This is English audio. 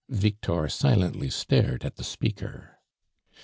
Victor silently stared at the speaker.